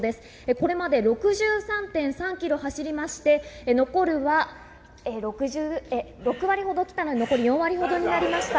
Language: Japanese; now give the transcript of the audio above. これまで６３．３キロ走りまして、残るは６割ほど来たので、残り４割ほどになりました。